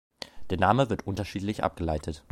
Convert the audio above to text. Der Name wird unterschiedlich abgeleitet.